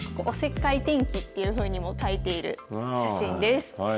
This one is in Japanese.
おせっかい天気っていうふうにも書いている写真です。